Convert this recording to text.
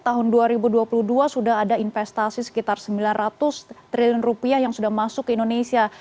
tahun dua ribu dua puluh dua sudah ada investasi sekitar sembilan ratus triliun rupiah yang sudah masuk ke indonesia